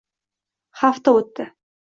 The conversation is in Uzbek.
Hafta o’tdi.